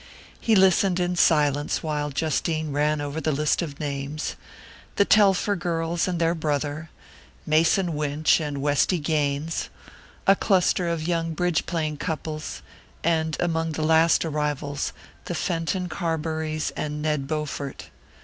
He listened in silence while Justine ran over the list of names the Telfer girls and their brother, Mason Winch and Westy Gaines, a cluster of young bridge playing couples, and, among the last arrivals, the Fenton Carburys and Ned Bowfort.